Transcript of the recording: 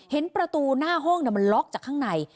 เห็นประตูหน้าห้องมันล็อกจากข้างใน